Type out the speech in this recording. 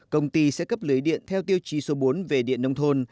công ty sẽ cấp lưới điện theo tiêu chí số bốn về điện nông thôn